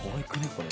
これ。